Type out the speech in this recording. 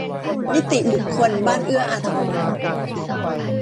นิติบุคคลบ้านเอื้ออาทร